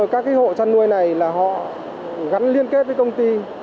các hộ chăn nuôi này họ gắn liên kết với công ty